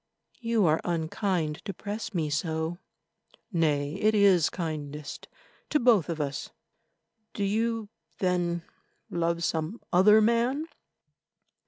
"You are unkind to press me so." "Nay, it is kindest to both of us. Do you then love some other man?"